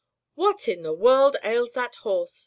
"What in the world ails that horse!'